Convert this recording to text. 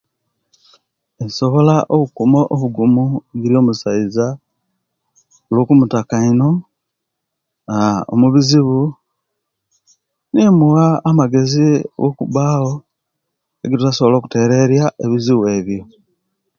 Nsobola okuma obgumu egiri omusaiza lwo kumutaka ino aaa omubuzibu nimuwa amagezi okubawo egitwasobola okutereriya ebizibu ebyo